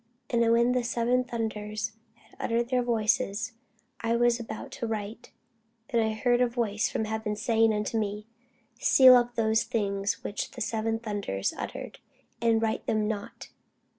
And when the seven thunders had uttered their voices, I was about to write: and I heard a voice from heaven saying unto me, Seal up those things which the seven thunders uttered, and write them not.